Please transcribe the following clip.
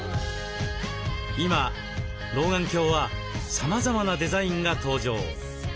今老眼鏡はさまざまなデザインが登場。